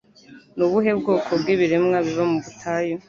Ni ubuhe bwoko bw'ibiremwa biba mu butayu